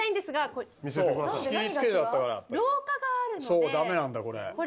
そうダメなんだこれ。